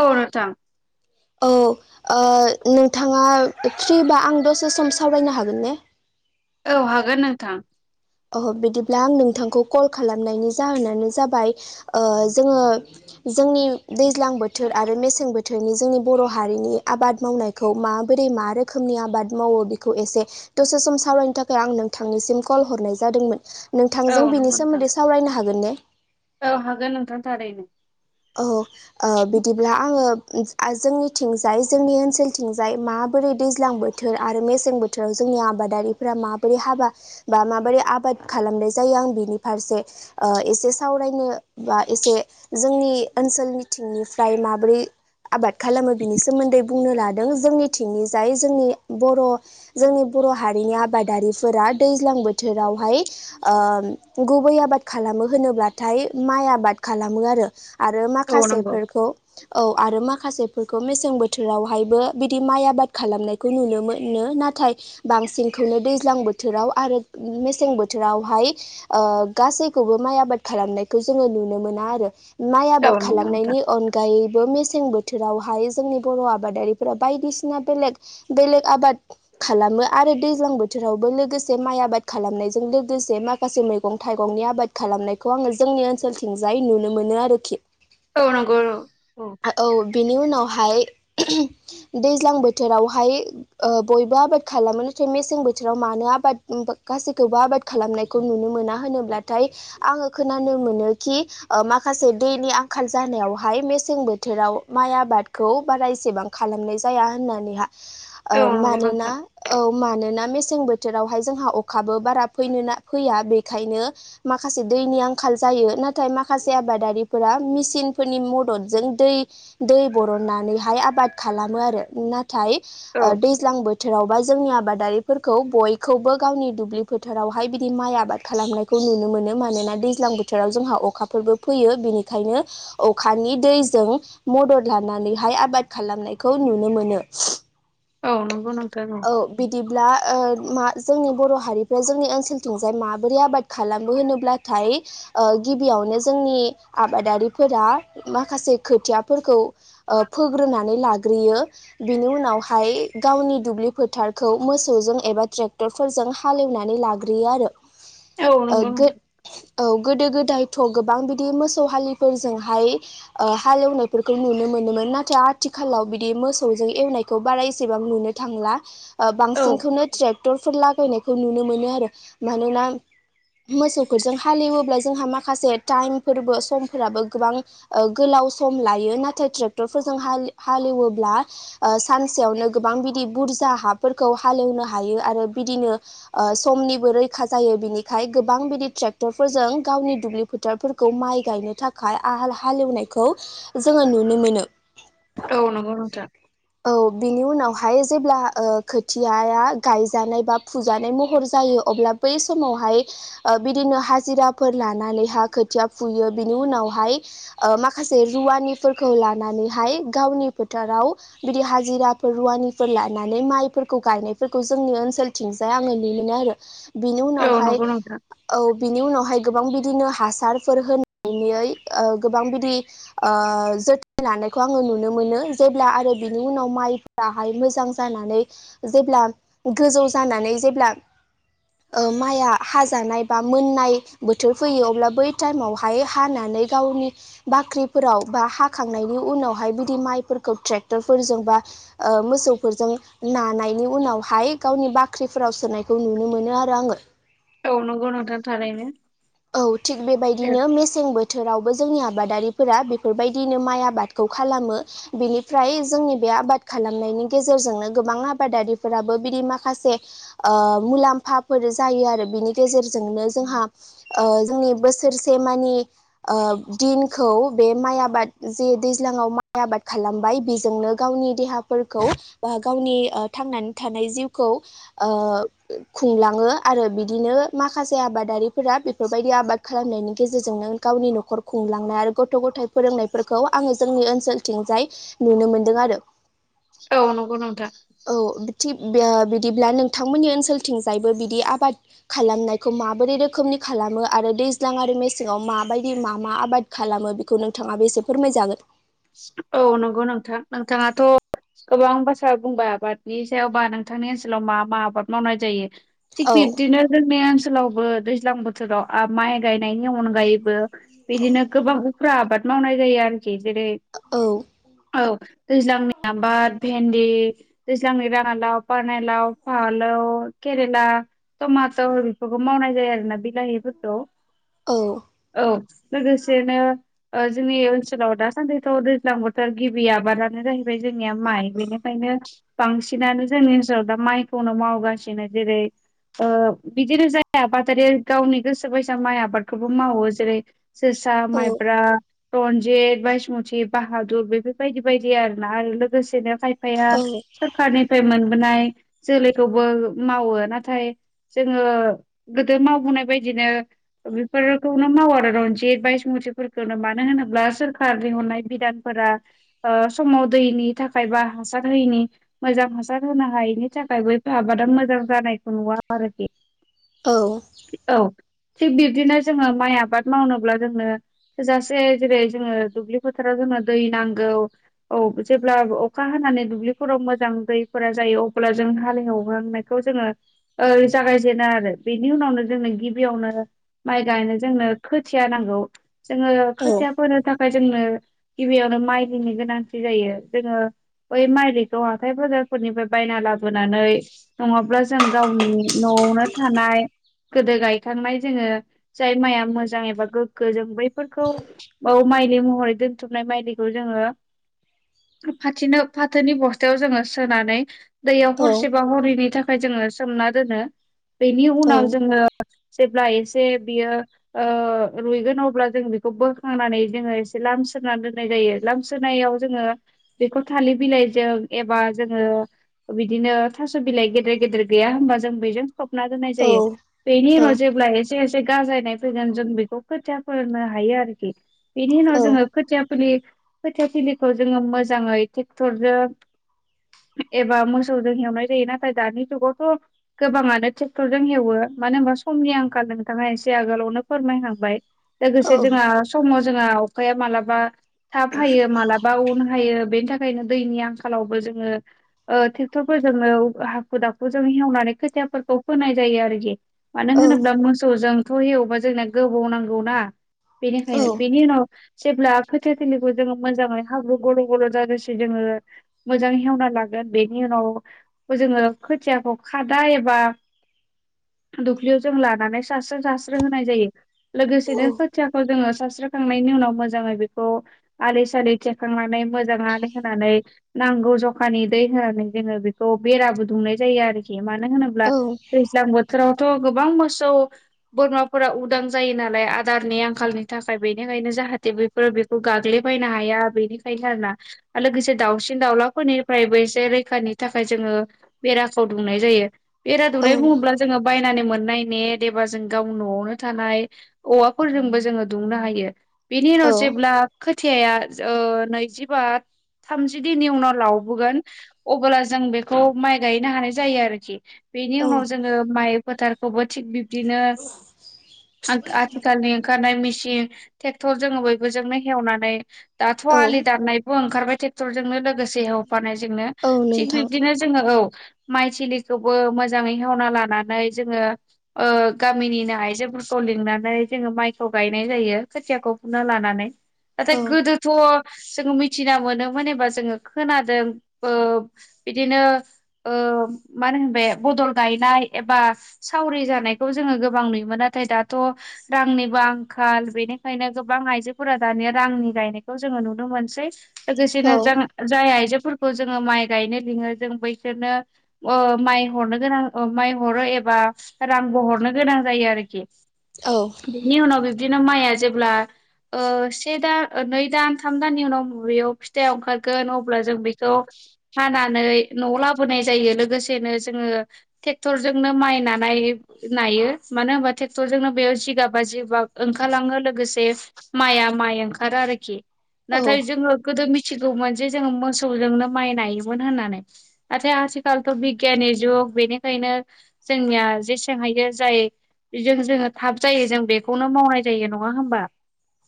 औ नोंथां औ ओ नोंथाङा फ्रिबा आं दसे सम सावरायनो हागोन ने? औ हागोन नोंथां अह बिदिब्ला आं नोंथांखौ कल खालामनायनि जाहोनानो जाबाय ओ जोङो जोंनि दैज्लां बोथोर आरो मेसें बोथोरनि जोंनि बर' हारिनि आबाद मावनायखौ मा बोरै मा रोखोमनि आबाद मावो बेखौ एसे दसे सम सावरायनो थाखाय आं नोंथांनिसिम कल हरनाय जा जादोंमोन औ नोंथांजों बिनि नंगौ नोंथां सोमोन्दै सावरायनो हागोन ने? औ हागोन नोंथां थारैनो। औ ओ बिदिब्ला आङो आ जोंनिथिंजाय जोंनि ओनसोलथिंजाय मा बोरै दैज्लां बोथोर आरो मेसें बोथोराव जोंनि आबादारिफोरा माबोरै हाबा बा माबोरै आबा बाद खालामनाय जायो आं बिनि फारसे ओ एसे सावरायनो बा एसे जोंनि ओनसोलनिथिंनिफ्राय माबोरै आबाद खालामो बिनि सोमोन्दै बुंनो लादों जोंनि थिंनिजाय जोंनि बर' जोंनि बर' हारिनि आबादारिफोरा दैज्लां बोथोरावहाय ओ गुबै आबाद खालामो होनोब्लाथाय माइ आबा खालामो आरो औ नंगौ माखासेफोरखौ औ आरो माखासेफोरखौ मेसें बोथोरावहायबो बिदि माइ आबाद खालामनायखौ नुनो मोनो ना थाय बांसिनखौनो दैज्लां बोथोराव आरो मेसें बोथोरावहाय ओ गा सैखौबो माइ आबाद खालामनायखौ जोङो नुनो मोना आरो माइ औ आबाद नंगौ नोंथां खालामनायनि अनगायैबो मेसें बो बोथोरावहाय जोंनि बर' आबादारिफोरा बायदिसिना बेलेग बेलेग आबाद खालामो आरो- आरो दैज्लां बोथोरावबो लोगोसे माइ आबाद खालामनायजों लोगोसे माखासे मैगं थाइगंनि आबाद खालामनाय- - खौ आङो जोंनि ओनसोलथिंजाय नुनो मोनो आरो औ नांगौ औ बेनि उनावहाय दैज्लां बोथोरावहाय ओ बयबो आबाद खालामो मेसें बोथोराव मानो आबाद गासैखौबो आबाद खालामनायखौ नुनो मोना होनोब्लाथाय आबाद ओ खोनानो मोनो खि ओ माखा माखासे दैनि आंखाल जानायावहाय मेसें बोथोराव माइ आबादखौ बारा एसेबां खालामनाय जाया जाया औ होननानैहाओ नंगौ मानोना नोंथां औ मानोना मेसें बोथोर- बोथोरावहाय जोंहा अखाबो बारा फैनो फैया बेखायनो माखासे दैनि आंखाल जायो नाथाय माखासे बे आबादारिफोरा मेसिनफोरनि मददजों दै दै बरननानैहाय आबाद खालामो। बो आरो नाथाय औ ओ दैज्लां बोथोर फोथोरावबा जोंनि आबादारिफोरखौ बयखौबो गावनि दुब्लि फोथारावहाय बिदि माइ आबाद खालामनायखौ नुनो मोनो मानोना दैज्लां बोथोराव जोंहा अखाफोरबो फैयो बिनिखायनो अखानि दैजों मदद लानानैहाय आबाद खालामनायखौ नुनो मोनो औ नंगौ नोंथां औ बिदिब्ला ओ मा जोंनि बर' हारिखौ जोंनि ओनसोलथिंजाय माबोरै आबाद खालामो होनोब्लाथाय ओ गिबियाव माने जोंनि आबादारिफोरा माखासे खोथियाफोरखौ ओ फोग्रोनानै लाग्रोयो बिनि उनावहाय गावनि दुब्लि फोथारखौ मोसौजों एबा ट्रेक्टरफोरजों हालेवनानै लाग्रोयो आरो औ ओ नंगौ गो नोंथां औ गोदो गोदायथ' गोबां बिदि मोसौ हालिफोरजोंहाय ओ हालेवनायफोरखौ नुनो मोनो मोनोमोन नाथाय आथिखालाव बिदि मोसौजों एवनायखौ बारा एसे एसेबां नुनो थांला ओ औ बांसिनखौनो ट्रेक्टर ट्रेक्टरफोर लागायनायखौ नुनो मोनो आरो मानोना मोसौफोरजों हालेवोब्ला जोंहा माखासे टाइमफोरबो समफोराबो गोबां गोलाव गोबां सम लायो नाथाय ट्रेक्टरफोरजों हाल हालएवोब्ला ससेयावनो गोबां बिदि बुरजा हाफोरखौ हालेवनो हायो आरो बिदिनो समनिबो रैखा जायो। बिनिखाय गोबां बिदि ट्रेक्टरफोरजों गावनि दुब्लि फोथारफोरखौ माइ गायनो थाखाय आ हारि हालेवनाइखौ जोङो नुनो मोन औ नंगौ नोंथां औ बिनि उनाव बेावहाय जेब्ला खोथिया गायजानाय बा फुजानाय महर जायो अब्ला बै समाव बिदिनो हिराफोर लानानै खोथिया फुयो बिनि उावहाय ओ माखासे रुवानिफोरखौ लानानैहाय गावनि फोथाराव बिदि हाजिराफोर रुवानि फोर लानानै माइफोरखौ गायनायफोरखौ जोंनि ओनसोलथिंजाय आङो नुनो मोनो आरो बिनि औ उनावहाय नंगौ नोंथां औ बिनि उनावहाय गोबां बिदिनो हासारफोर होना गोबां बिदि जोथोन लानो आङो नुनो मोनो जेब्ला आरो बिनि उनाव माइफोरा मोजां जानानै जेब्ला गोजौ जानानै जेब्ला माइआ हाजानाय बा मोननाय बोथोर फैयो अब्ला बै टाइमावहाय हानानै गावनि बाख्रिफोराव बा हाखांनायनि उनावहाय बिदि माइफोरखौ ट्रेक्टरफोरजों बा मोसौफोरजों नानायनि उनावहाय गावनि बाख्रिफोराव सोनायखौ नुनो मोनो आरो आङो औ नंगौ नोंथां थारैनो औ थिग बेबायदिनो मेसें बोथोरावबो जोंनिबादारिफोरा बेफोरबायदिनो माइ आबादखौ खालामो बेनिफ्राय जोंनि बे आबाद खालामनायनि गेजेरजोंनो गोबां आबादारिफोराबो बिदि माखासे मुलाम्फाफोर जायो आरो बिनि गेजेरजोंनो जोंहा जोंनि बोसोरसेमानि दिनखौ बे माइ आबाद जे दैज्लां दैज्लांआव माय आबाद खालामबाय बेजोंनो गावनि देहाफोरखौ बा गावनि थांनानै थानाय जिउखौ खुंलाङो आरो बिदिनो माखासे आबादारिफोरा बेबायायदि आबाद खालामनायनि गेजेरजोंनो गावनि न'खर खुंलांनाय आरो गथ' गथायाइ फोरोंनायफोरखौ आङो जोंनि ओनसोलथिंजाय नुनो मोनदों आरो औ नंगौ नोंथां औ थि बे बिदिब्ला नोंथांमोननि ओनसोलथिंजायबो बिदि आबाद खालामनायखौ माबोरै रोखोमनि खालामो आरो दैज्लां आरो मेसेङाव माबायदि मा मा आबाद खालामो बेखौ नोंथाङा बेसे फोरमायजागोन औ नंगौ नोंथां नोंथाङाथ' गोबां बाथ्रा बुंबाय आबादनि सायावबा नोंथांनि ओनसोलाव मा मा आबाद मावनाय जायो। थिग औ बिब्दिनो जोंनि ओनसोलावबो दैज्लां बोथोराव माइ गायनायनि अनगायैबो बिदिनो गोबां उफ्रा आबाद मावनाय जायो आरोखि जेरै औ। औ दैज्लांनि आबाद भेन्दि दैज्लांनि राङा लाव पनेलाव फानलौ केरेला टमट' बेफोरखौ मावनाय जायो आरोना बिलाहिफोरखौ औ औ लोगोसेनो जोंनि ओनसोलाव दासान्दि औ दैज्लां बोथोर गिबि आबादानो जाहैबाय जोंनिया माइ बेनिखायनो बांसिनानो जोंनि स दा माइखौनो मावगासिनो जेरै ओ बिदिनो जाय आबादारि गावनि गोसो बायसा माइ आबादखौबो मावो जेरै जोसा औ माइब्रा रनजित बायषथि बाहादुर बेफोरबायदि बायदि आरोना आरो लोगोसेनो खाय फाया औ सरखारनिफ्राय मोनबोनाय जोलैखौबो मावो नाथाय जोङो गोदो मावबोनाय बायदिनो बेफोरखौनो मावो आरो रनजित बायसं नो मानो होनोब्ला सोरखारनि अननाय बिधानफोरा समाव दैनि थाखाय बा हासार होयैनि मोजां हासार होनो हायि नि थाखायबो आबादा मोजां जानायखौ नुवा आरोखि औ। औ थिग बिबदिनो जोङो माइ आबाद मावनोब्ला जोंनो थोजासे जेरै जोङो दुब्लि फोथाराव जोंनो दै नांगौ जेब्ला अखा हानानै दुब्लिफोराव मोजां दै जा यो अब्ला जों हालएवगोन बेखौ जोङो ओ जागायजेनो आरो बेनि उनावनो जोंनो गिबियावनो माइ गायनो जोंनो खोथिया नांगौ जोङो खोथिया फोनो थाखाय जोंनो गिबियावनो माइलिनि गोनांथि जायो जोङो बै माइलिखौ हाथाय बाजारफोरनिफ्राय बायना लाबोनानै नङाब्ला जों गावनि न नयावनो थानाय गोदो गायखांनाय जोङो जाय माइआ मोजां एबा गोग्गो जों बैफोरखौ मायलि महरै दो थुमनाय माइ दैखौ जोङो फाथिनो फाथोनि बस्थायाव जोङो सोनानै दैयाव औ हरसेबा हरैनि थाखाय जोङो सोमना दोनो बेनि औ उनाव जोङो जेब्ला एसे बियो ओ रुइगोन अब्ला जों बेखौ बोखांनानै जोङो एसे लाम सोनानै दोननाय जायो लामस्रोनायाव जोङो बेखौ थालिर बिलाइजों एबा जोङो बिदिनो थास बिलाइ गेदेर गेदेर गैया होमबा जों बेजों खोबना दोननाय जायो बेनि उनाव जेब्ला एसे ए से गाजायनाय फैगोन जों बेखौ खोथिया फोरनो हायो आरोखि बेनि उनाव जोङो खोथियाफोरनि खोथिया थिलिखौ जोङो मोजाङै टेक्टरजों एबा मोसौजों हेवनाय जायो नाथाय दानि जुगावथ गोबाङानो टेक्टरजों हेवो मानो होमबा समनि आंखाल नोंथाङा एसे आगोलावनो फोरमायखांबाय औ लोगोसे जोंहा समाव जोंहा अखाया मालाबा थाब हायो मालाबा उन हायो बेनि थाख खायनो दैनि आंखालावबो जोङो ओ टेक्टरफोरजोंनो हाखु दाखु जों हेवनानै खो खोथियाफोरखौ फोनाय जायो आरोखि मानो औ होनोब्ला मोसौजोंथ हेवबा जोंना गोबाव नांगौ ना बेनिखाय औ बेनि उनाव जेब्ला खोथिया थिलिखौ जोङो मोजाङै हाब्रु गल गल जाजासे जोङो मोजाङै हेवना लागोन। बेनि उनाव जोङो खोथियाखौ खादा एबा [inaudible] दुुब्लियाव जों लानानै दास्रो दास्रो होनाय जायो औ लोगोसेनो खोथियाखौ जोङो सास्रोखांनायनि उनाव मोज जाङै बेखौ आलि सालि थेखांनानै मोजां आलि खोनानै नांगौ जखानि दै खोनानै जोङो बेखौ बेराबो दुमनाय जायो आरोखि मानो होनोब्ला दैज्लां बोथोराव थ' गोबां मोसौ बोरमाफोरा उदां जायो नालाय आदारनि आंखालनि थाखाय बेनिखायनो जाहा थे बेफोर बेखौ गाग्लिबायनो हाया बेनिखायनो आरोना आरो लोगोसे दाउसिन दाउलाफोरनिफ्रायबो एसे रैखानि थाखाय जोङो बेराखौ दुमनाय जायो। बेरा औ दुमनाय बुङोब्ला जोङो बायनानै मोन नाय नेट एबा जों गावनि नआवनो थानाय औवाफोरजोंबो जोङो दुमनो हायो। बेनि उनाव जेब्ला खोथियाया ओ नैजिबा थामजि दिननि उनाव लावबोगोन अबोला जों बेखौ माइ गायनो हानाय जायो आरोखि। बेनि औ उनाव जोङो माइ फोथारखौबो थिख बिब्दिनो आख आथिखालनि ओंखारनाय मेसिन टेक थरजोङो बयबो जोंनो हेवनानै दाथ' औ आलि दाननायबो ओंखारबाय टेक्टरजोंनो लोगोसे हेवफानायजोंनो औ थिग नोंथां बिब्दिनो जोङो औ। माइ थिलिखौबो मोजाङै हेवना लानानै जोङो ओ गामिनिनो आइजोफोरखौ लिंनानै जोङो माइखौ गायनाय जायो। खोथियाखौ फुना लानानै औ नाथाय गोदोथ' जों मिथिना मोनोमोन एबा जोङो खोनादों ओ बिदिनो ओ ओ मा होनो बे बदल गायनाय एबा सावरि जानायखौ जोङो गोबां नुयोमोन नाथाय दा थ' रांनिबो आंखाल बेनि खायनो गोबां आइजोफोरा दानिया रांनि गायनायखौ जोङो नुनो मोनसै। लोगोसेनो औ जों जाय आइजो फोरखौ जोङो माइ गायनो लिङो जों बैसोरनो ओ माइ हरनो गोनां माइ हरो ए बा रांबो हरनो गोनां जायो आरोखि औ बिनि उनाव बिब्दिनो माइआ जे ब्ला ओ से दा नै दान थाम दाननि उनाव मबेयाव फिथाइ ओंखारगोन अब्ला जों बेखौ हानानै नआव लाबोनाय जायो लोगोसेनो जोङो ट्रेक्टरजोंनो माइ नानाय नायो मानो होनबा टेक्टरजोंनो बेयाव जिगाबा जिबाब ओंखारलाङो लोग गोसे माइआ माइ ओंखारो आरोखि औ नाथाय जोङो गोदो मि थिगौमोन जे जोङो मोसौजोंनो माइ नायोमोन होननानै नाथाय आथिखालथ' बिगियाननि जुग बेनिखायनो जोंनिया जेसें हायो जाय बेजों जोङो थाब जायो जों बेखौनो मावनाय जायो न ङा होमबा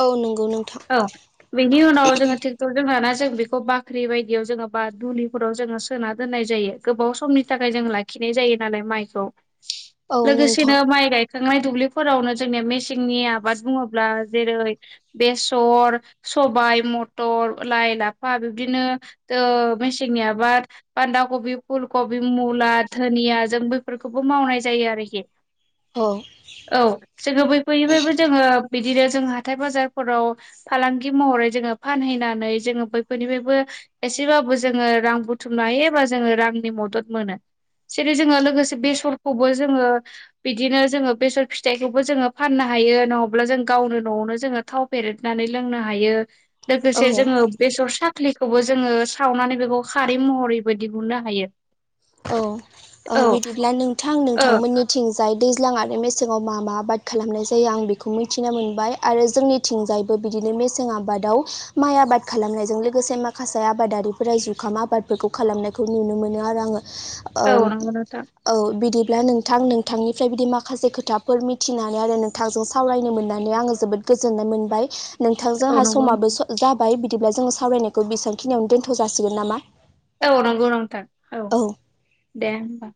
औ नंगौ नोंथां औ बिनि उनाव जोङो ट्रेक्टर जों नाना जों बेखौ बाख्रि बायदियाव जोङो बा दुलिफोराव जोङो सोना दोननाय जायो गोबाव समनि थाखाय जोङो लाखिनाय जायो नालाय माइखौ औ नोंथां लोगोसेनो माइ गायखांनाय दुब्लिफोरावनो जोंनिया मेसेंनि आबाद बुङोब्ला जेरै बेसर सबाय मटर लाइ लाफा बिबदि नो ओ मेसेंनियाबा बानदा कबि फुल कबि मुला धोदिया जो बैफोरखौबो मावनाय जायो आरोखि औ औ जोङो बै फोरनिफायबो बिदिनो जों हाथाय बाजारफोराव फालांगि महरै जोङो फानहैनानै जोङो बैफोरनिफाबो एसेबाबो जोङो रां बुथुमनो हायो एबा जोङो रांनि मदद मोनो। जेरै जोङो लोगोसे बेसरखौबो जोङो बिदिनो जोङो बेसर फिथाइखौबो जोङो फाननो हायो नङाब्ला जों गावनो नआवनो जोङो थाव फेरेदनानै लोंनो हायो। औ लोगोसे जोङो बेसर साखलि खौबो जोङो सावनानै बेखौ खारै महरैबो दिहुननो हायो। औ ओ औ बिदिब्ला नोंथां औ नोंथांमोननिथिं जाय दैल्जां आरो मेसेंआव मा मा आबद खालामनाय जायो आं बेखौ मिथिना मोनबाय आरो जोंनिथिंजायबो बिदिनो मेसें आबादाव माइ आबाद खालामनायजों लोगोसे माखासे आबादारिफोरा जुखाम आबादबो खौ खालामनायखौ नुनो मोनो आरो आङो औ ओम नंगौ नोंथां औ बिदि ब्ला नोंथां नोंथांनिफ्राय बिदि माखासे खोथाफोर मिथिनानै आरो नोंथांजों सावरायनो मोननानै आङो जोबोद गोजोननाय मोनबाय। नोंथां औ जाहा नंगौ समाबो जाबाय बिदिब्ला जोङो सावरायनायखौ बेसेबांखिनियावनो दोन्थ जासिगोन नामा? औ नंगौ नंथां औ दे होनबा।